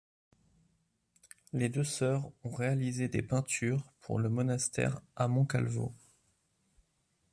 Les deux sœurs ont réalisé des peintures pour le monastère à Moncalvo.